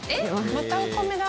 またお米だ。